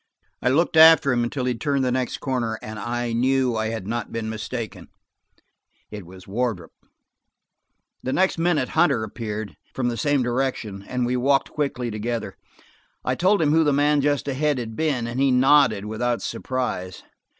I looked after him until he turned the next corner, and I knew I had not been mistaken; it was Wardrop. The next minute Hunter appeared, from the same direction, and we walked quickly together. I told him who the man just ahead had been, and he nodded without surprise.